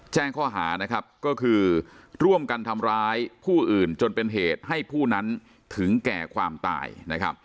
แจ้งข้อหานะครับก็คือร่วมกันทำร้ายผู้อื่นจนเป็นเหตุให้ผู้นั้นถึงแก่ความตายนะครับ